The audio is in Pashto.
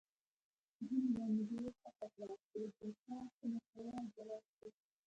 جون یوه نجلۍ خوښه کړه خو د چای په مسله جلا شول